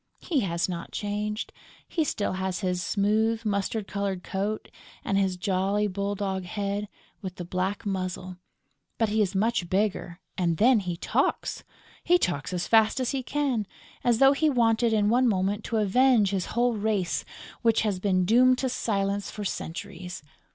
He has not changed: he still has his smooth, mustard coloured coat and his jolly bull dog head, with the black muzzle, but he is much bigger and then he talks! He talks as fast as he can, as though he wanted in one moment to avenge his whole race, which has been doomed to silence for centuries.